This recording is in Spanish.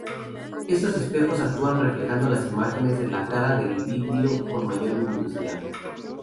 Estos espejos actúan reflejando las imágenes en la cara del vidrio con mayor luminosidad.